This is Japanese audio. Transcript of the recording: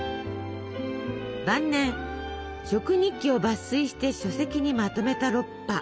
晩年食日記を抜粋して書籍にまとめたロッパ。